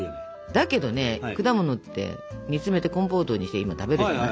だけどね果物って煮詰めてコンポートにして今食べるじゃない？